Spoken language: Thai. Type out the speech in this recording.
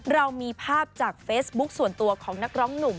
เรามีภาพจากเฟซบุ๊คส่วนตัวของนักร้องหนุ่ม